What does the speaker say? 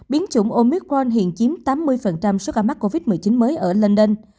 biến chủng omicron hiện chiếm tám mươi số ca mắc covid một mươi chín mới ở london